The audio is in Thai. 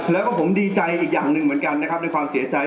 แล้วก็ผมดีใจอีกอย่างหนึ่งเหมือนกันนะครับในความเสียใจ